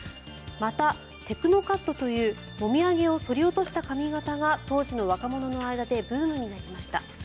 また、テクノカットというもみあげを剃り落とした髪形が当時の若者の間でブームになりました。